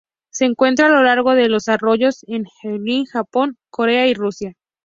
Se encuentra a lo largo de los arroyos en Heilongjiang, Japón, Corea y Rusia.